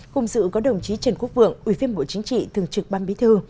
cùng dự có đồng chí trần quốc vượng ủy viên bộ chính trị thường trực ban bí thư